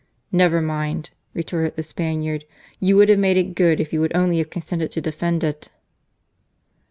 " Never mind," retorted the Spaniard ;" you would have made it good if you would only have consented to defend it."